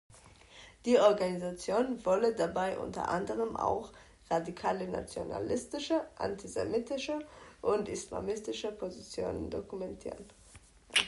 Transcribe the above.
Die Organisation wolle dabei unter anderem auch „radikale nationalistische, antisemitische und islamistische“ Positionen dokumentieren.